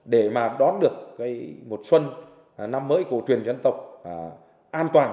để mà đón được một xuân năm mới cổ truyền dân tộc an toàn